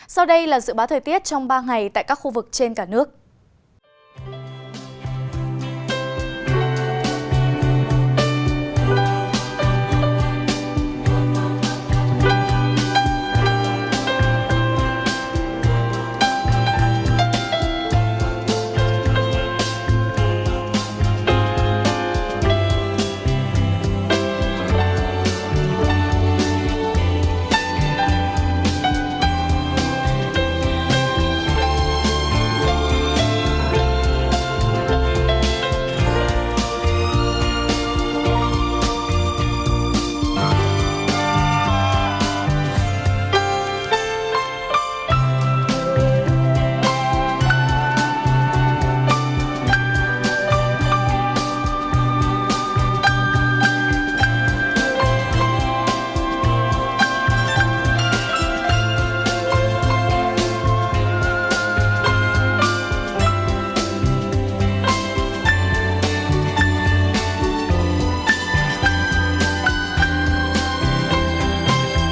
sau đây là dự bá thời tiết trong ba ngày tại các khu vực trên khu vực này cần hết sức lưu ý